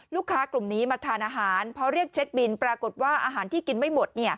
ลูกค้ากลุ่มนี้มาทานอาหารพอเรียกเช็คบินปรากฏว่าอาหารที่กินไม่หมด